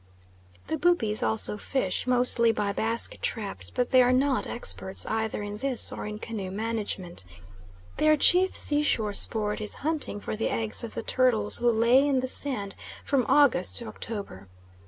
The Bubis also fish, mostly by basket traps, but they are not experts either in this or in canoe management. Their chief sea shore sport is hunting for the eggs of the turtles who lay in the sand from August to October.